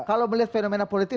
kalau melihat fenomena politik